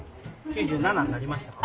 ９７になりましたか？